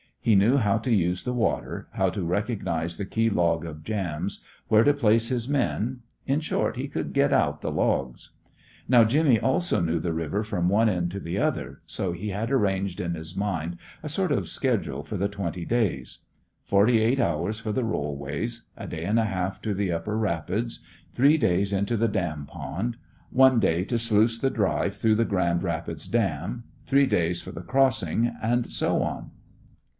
He knew how to use the water, how to recognise the key log of jams, where to place his men in short, he could get out the logs. Now Jimmy also knew the river from one end to the other, so he had arranged in his mind a sort of schedule for the twenty days. Forty eight hours for the rollways; a day and a half to the upper rapids; three days into the dam pond; one day to sluice the drive through the Grand Rapids dam; three days for the Crossing; and so on.